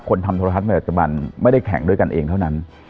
คนทำโทรธัสมัยจบันไม่ได้แข่งด้วยกันเองเท่านั้น